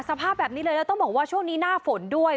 สภาพแบบนี้เลยแล้วต้องบอกว่าช่วงนี้หน้าฝนด้วย